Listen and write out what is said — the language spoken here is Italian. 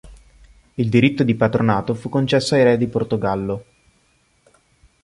Il diritto di patronato fu concesso ai re di Portogallo.